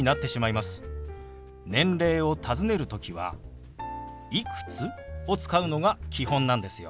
年齢をたずねる時は「いくつ？」を使うのが基本なんですよ。